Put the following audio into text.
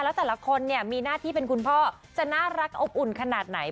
แล้วแต่ละคนเนี่ยมีหน้าที่เป็นคุณพ่อจะน่ารักอบอุ่นขนาดไหน